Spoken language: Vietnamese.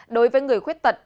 đối với người khuyết tật